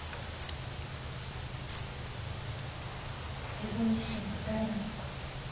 自分自身が誰なのか。